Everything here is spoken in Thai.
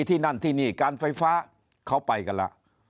ที่นั่นที่นี่การไฟฟ้าเขาไปกันแล้ว